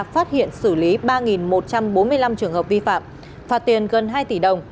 phát hiện xử lý ba một trăm bốn mươi năm trường hợp vi phạm phạt tiền gần hai tỷ đồng